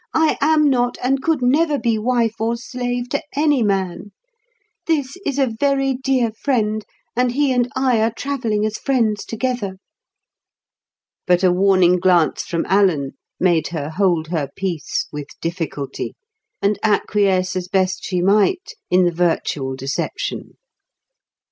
I am not, and could never be wife or slave to any man. This is a very dear friend, and he and I are travelling as friends together." But a warning glance from Alan made her hold her peace with difficulty and acquiesce as best she might in the virtual deception.